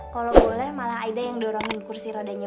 kalo boleh malah aida yang dorongin kursi rodanya